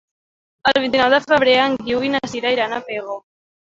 El vint-i-nou de febrer en Guiu i na Sira iran a Pego.